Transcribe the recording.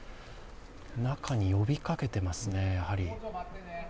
中に呼びかけてますね、やはり。